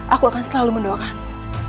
aku akan selalu mendoakanmu